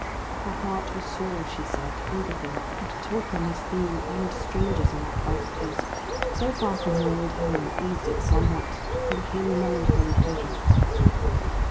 Her heart was sore, she said, to think of them; and to talk on this theme, even to strangers, in that blighted place, so far from her old home, eased it somewhat, and became a melancholy pleasure.